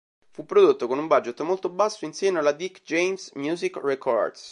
Fu prodotto con un budget molto basso in seno alla "Dick James Music Records".